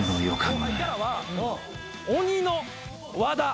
鬼の和田。